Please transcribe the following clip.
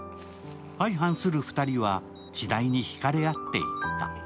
相反する２人は次第に引かれ合っていった。